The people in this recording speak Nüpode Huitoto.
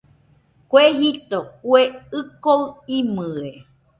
Kue jito, kue ɨko imɨe